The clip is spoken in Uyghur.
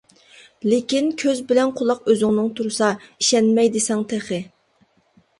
لېكىن، كۆز بىلەن قۇلاق ئۆزۈڭنىڭ تۇرسا ئىشەنمەي دېسەڭ تېخى.